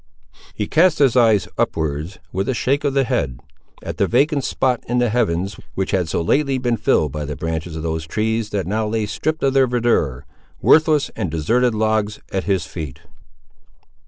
He cast his eye upwards, with a shake of the head, at the vacant spot in the heavens which had so lately been filled by the branches of those trees that now lay stripped of their verdure, worthless and deserted logs, at his feet.